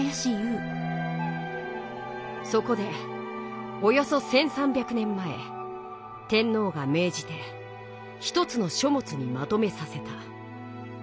そこでおよそ１，３００年前天のうがめいじて一つの書もつにまとめさせた。